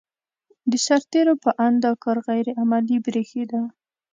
د سرتېرو په اند دا کار غیر عملي برېښېده.